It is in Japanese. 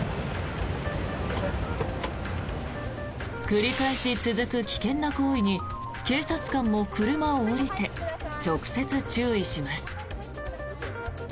繰り返し続く危険な行為に警察官も車を降りて直接、注意します。